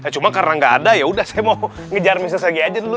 cuma karena nggak ada yaudah saya mau ngejar mister sagi aja dulu ya